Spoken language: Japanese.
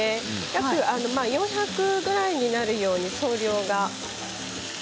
約４００ぐらいになるように総量が。